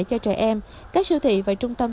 cho trẻ em các siêu thị và trung tâm